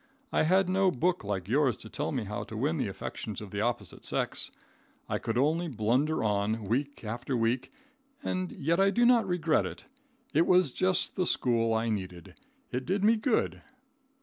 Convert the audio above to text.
I had no book like yours to tell me how to win the affections of the opposite sex. I could only blunder on, week after week and yet I do not regret it. It was just the school I needed. It did me good.